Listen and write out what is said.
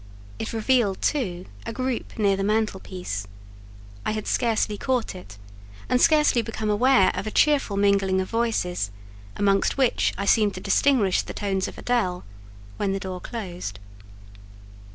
It revealed, too, a group near the mantelpiece: I had scarcely caught it, and scarcely become aware of a cheerful mingling of voices, amongst which I seemed to distinguish the tones of Adèle, when the door closed.